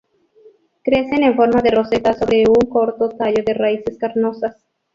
Crecen en forma de roseta sobre un corto tallo de raíces carnosas.